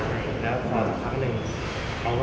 ไม่มีทางที่หรอ